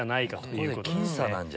僅差なんじゃない？